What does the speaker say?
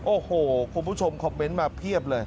โอ้โหคุณผู้ชมคอมเมนต์มาเพียบเลย